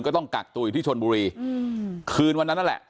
ก็ต้องกักตัวอยู่ที่ชนบุรีอืมคืนวันนั้นนั่นแหละ